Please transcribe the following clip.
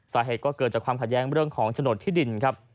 สาเหตุก็เกิดจากความขัดแย้งเรื่องของโฉนดที่ดินครับ